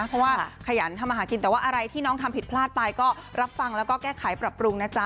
เพราะว่าขยันทำมาหากินแต่ว่าอะไรที่น้องทำผิดพลาดไปก็รับฟังแล้วก็แก้ไขปรับปรุงนะจ๊